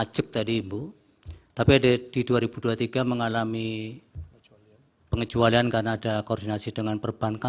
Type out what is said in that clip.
jadi ajak tadi bu tapi di dua ribu dua puluh tiga mengalami pengejualian karena ada koordinasi dengan perbankan